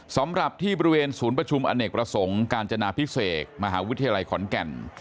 สำหรับที่บริเวณศูนย์ประชุมอเนกประสงค์กาญจนาพิเศษมหาวิทยาลัยขอนแก่น